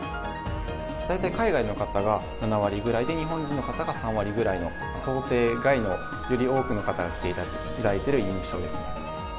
大体海外の方が７割ぐらいで、日本人の方が３割ぐらいの想定外の、より多くの方が来ていただいている印象ですね。